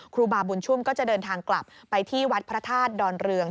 ครูบาบุญชุมก็จะเดินทางกลับไปที่วัดพระธาตุดอนเรือง